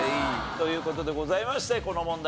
という事でございましてこの問題